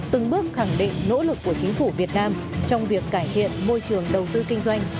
từng bước khẳng định nỗ lực của chính phủ việt nam trong việc cải thiện môi trường đầu tư kinh doanh